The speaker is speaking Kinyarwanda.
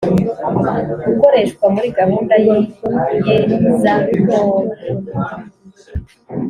gukoreshwa muri gahunda y iyezandonke